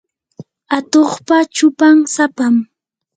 atuqpa chupan sapam.